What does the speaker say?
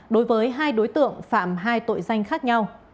đối với hai đối tượng phạm hai tội danh khác nhau